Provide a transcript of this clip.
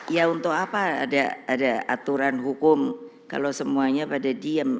ya untuk apa ada aturan hukum kalau semuanya pada diem